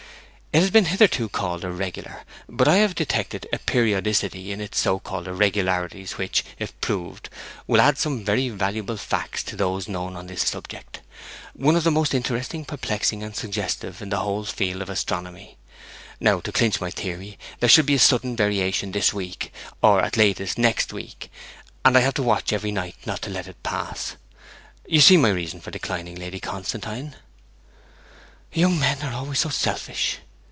It has been hitherto called irregular; but I have detected a periodicity in its so called irregularities which, if proved, would add some very valuable facts to those known on this subject, one of the most interesting, perplexing, and suggestive in the whole field of astronomy. Now, to clinch my theory, there should be a sudden variation this week, or at latest next week, and I have to watch every night not to let it pass. You see my reason for declining, Lady Constantine.' 'Young men are always so selfish!'